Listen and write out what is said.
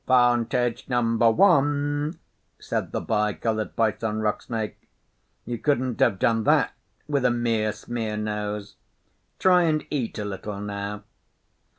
''Vantage number one!' said the Bi Coloured Python Rock Snake. 'You couldn't have done that with a mere smear nose. Try and eat a little now.